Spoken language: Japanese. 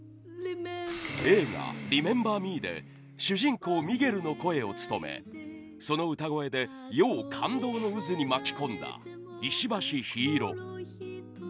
映画『リメンバー・ミー』で主人公ミゲルの声を務めその歌声で世を感動の渦に巻き込んだ石橋陽彩。